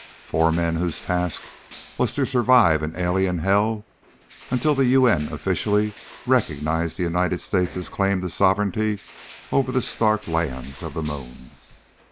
Four men whose task was to survive an alien hell until the U.N. officially recognized the United States' claim to sovereignty over the stark lands of the moon.